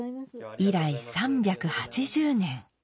以来３８０年。